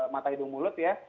mata hidung mulut ya